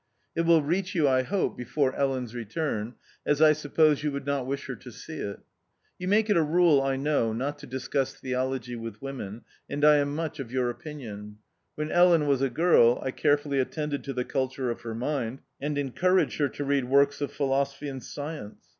It will reach you, I hope, before Ellen's return, as 1 suppose you would not wish her to see it. You make it a rule, I know, not to discuss theology with women, and I am much of your opinion. When Ellen was a girl I carefully attended to the culture of her mind, and encouraged her to read works of philosophy and science.